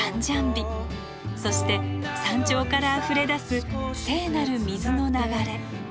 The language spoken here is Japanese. そして山頂からあふれ出す聖なる水の流れ。